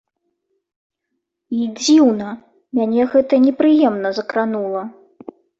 І дзіўна, мяне гэта непрыемна закранула.